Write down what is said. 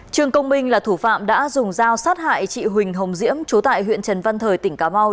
trương công minh là thủ phạm đã dùng dao sát hại chị huỳnh hồng diễm trú tại huyện trần văn thời tỉnh cà mau